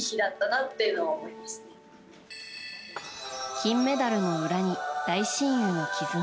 金メダルの裏に大親友の絆。